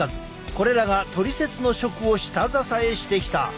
これらがトリセツの食を下支えしてきた。